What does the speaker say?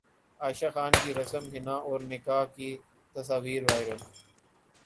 عائشہ خان کی رسم حنا اور نکاح کی تصاویر وائرل